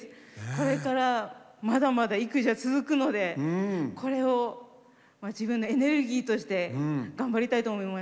これからまだまだ育児は続くのでこれを自分のエネルギーとして頑張りたいと思います。